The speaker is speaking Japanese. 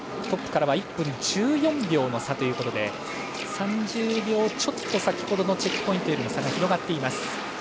トップからは１分１４秒差ということで３０秒ちょっと先ほどのチェックポイントよりも差が広がっています。